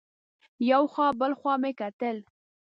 یو خوا بل خوا مې وکتل.